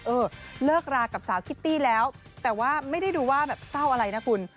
เออเลิกรากับสาวคิตตี้แล้วแต่ว่าไม่ได้ดูว่าแบบเศร้าอะไรนะคุณ